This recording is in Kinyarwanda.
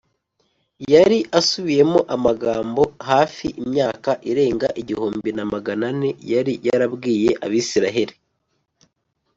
” Yari asubiyemo amagambo, hafi imyaka irenga igihumbi na magana ane yari yarabwiye Abisiraheli